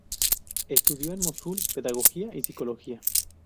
Estudió en Mosul pedagogía y psicología.